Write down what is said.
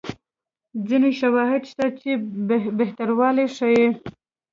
ځیني شواهد شته چې بهتروالی ښيي.